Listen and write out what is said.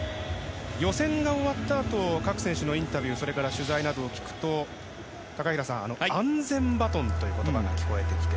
予選が終わったあと各選手のインタビューそれから取材などを聞くと高平さん、安全バトンという言葉も聞こえてきて。